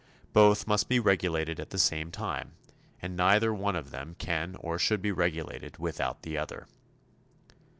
Both must be regulated at the same time; and neither one of them can or should be regulated without the other.